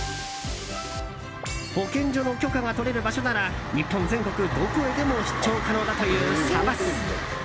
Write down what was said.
保健所の許可が取れる場所なら日本全国どこへでも出張可能だというサバス。